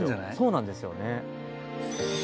そうなんですよね。